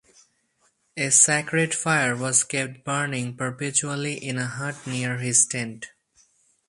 A sacred fire was kept burning perpetually in a hut near his tent.